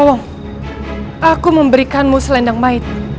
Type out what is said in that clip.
krawong aku memberikanmu selendang mait